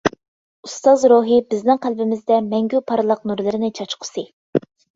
ئۇستاز روھى بىزنىڭ قەلبىمىزدە مەڭگۈ پارلاق نۇرلىرىنى چاچقۇسى!